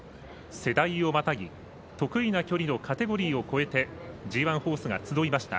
世代をまたぎ得意な距離のカテゴリーを超えてＧＩホースが集いました。